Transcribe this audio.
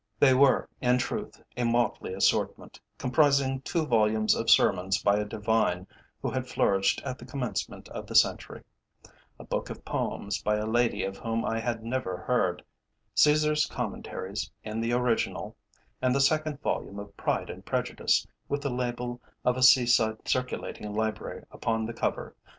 They were, in truth, a motley assortment, comprising two volumes of sermons by a Divine who had flourished at the commencement of the century, a book of poems by a lady of whom I had never heard, "Cæsar's Commentaries" in the original, and the second volume of "Pride and Prejudice," with the label of a seaside circulating library upon the cover.